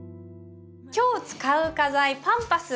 今日使う花材パンパス。